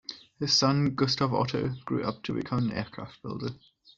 His son Gustav Otto grew up to become an aircraft builder.